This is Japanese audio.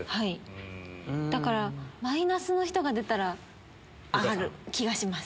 だからマイナスの人が出たら挙がる気がします。